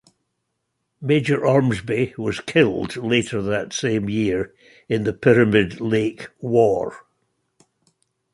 Major Ormsby was killed later that same year in the Pyramid Lake War.